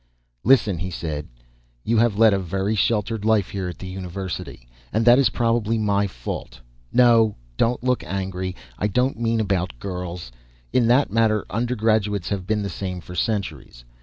"Listen," he said. "You have led a very sheltered life here at the university, and that is probably my fault. No, don't look angry, I don't mean about girls. In that matter undergraduates have been the same for centuries.